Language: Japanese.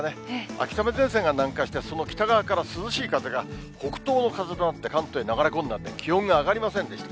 秋雨前線が南下して、その北側から涼しい風が北東の風となって関東へ流れ込んだんで、気温が上がりませんでした。